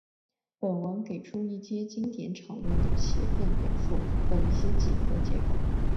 本文给出一阶经典场论的协变表述的一些几何结构。